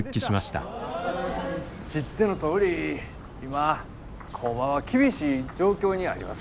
知ってのとおり今工場は厳しい状況にあります。